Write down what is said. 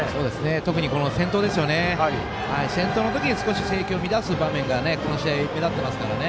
特に先頭の時に少し制球を乱す場面がこの試合目だってますからね。